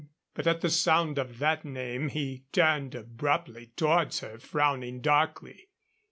But at the sound of that name he turned abruptly towards her, frowning darkly.